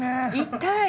痛い！